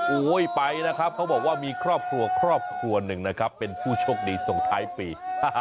ไปแล้วครับเขาบอกว่ามีครอบครัวครอบครัวหนึ่งนะครับเป็นผู้โชคดีส่งท้ายปี